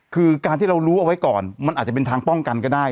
คือการที่เรารู้เอาไว้ก่อนมันอาจจะเป็นทางป้องกันก็ได้